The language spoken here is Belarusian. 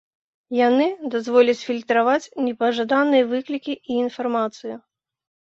Яны дазволяць фільтраваць непажаданыя выклікі і інфармацыю.